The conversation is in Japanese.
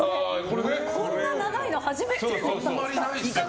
こんな長いの初めて見た。